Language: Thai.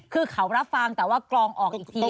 คือเขารับฟังแต่ว่ากรองออกอีกที